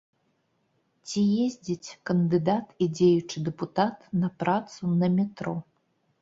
Ці ездзіць кандыдат і дзеючы дэпутат на працу на метро?